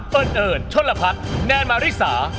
เปิดเอิญชนลพัดแนนมาริสา